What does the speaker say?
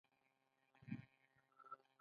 د ایڈینوکارسینوما د غدودي سرطان دی.